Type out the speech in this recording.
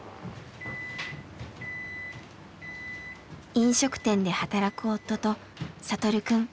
飲食店で働く夫と聖くん。